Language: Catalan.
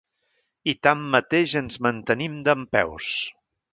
I tanmateix ens mantenim dempeus.